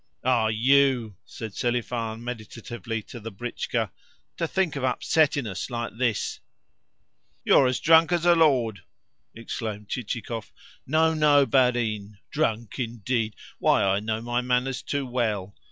"Ah, you!" said Selifan meditatively to the britchka. "To think of upsetting us like this!" "You are as drunk as a lord!" exclaimed Chichikov. "No, no, barin. Drunk, indeed? Why, I know my manners too well.